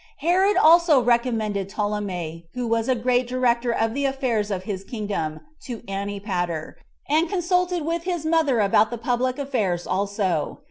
Herod also recommended Ptolemy, who was a great director of the affairs of his kingdom, to Antipater; and consulted with his mother about the public affairs also.